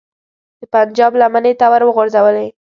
د پنجاب لمنې ته وروغورځولې.